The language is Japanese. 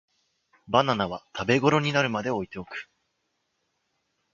バナナは食べごろになるまで置いておく